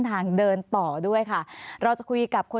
สวัสดีครับทุกคน